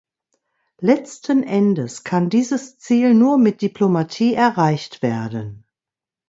Letzten Endes kann dieses Ziel nur mit Diplomatie erreicht werden.